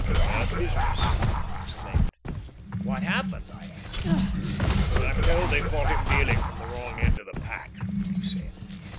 "Bad business," he exclaimed. "What happened?" I asked. "I'm told they caught him dealing from the wrong end of the pack," he said.